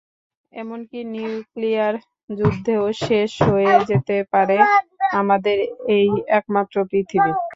এমনকি নিউক্লিয়ার যুদ্ধেও শেষ হয়ে যেতে পারে আমাদের এই একমাত্র পৃথিবী।